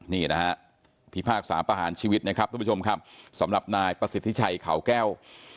นี่นะฮะพิพากษาประหารชีวิตนะครับทุกผู้ชมครับสำหรับนายประสิทธิชัยเขาแก้ว